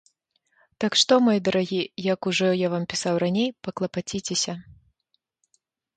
Так што, мой дарагі, як ужо я вам пісаў раней, паклапаціцеся.